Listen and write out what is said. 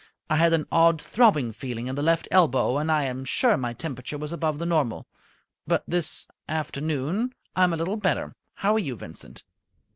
I had an odd throbbing feeling in the left elbow, and I am sure my temperature was above the normal. But this afternoon I am a little better. How are you, Vincent?"